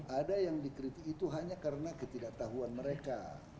ada yang dikritik itu hanya karena ketidaktahuan mereka